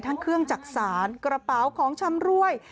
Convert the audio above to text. ทั้งเครื่องจักษานกระเป๋าของชำรวย